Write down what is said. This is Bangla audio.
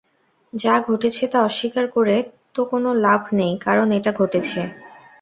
যা ঘটেছে তা অস্বীকার করে তো কোন লাভ নেই, কারন এটা ঘটেছে।